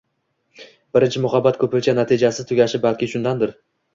Birinchi muhabbat ko’pincha natijasiz tugashi balki shundandir.